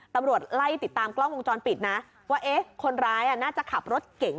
ตำรวจไล่ติดตามกล้องวงจรปิดนะว่าเอ๊ะคนร้ายน่าจะขับรถเก่ง